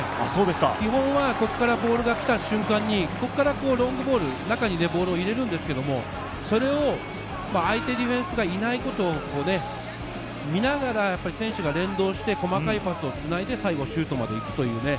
基本はボールが来た瞬間にロングボール、中にボールを入れるんですが、それを相手ディフェンスがいないことを見ながら選手が連動して細かいパスをつないで最後シュートまで行くという。